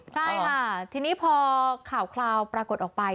ใช่ค่ะทีนี้พอข่าวคราวปรากฏออกไป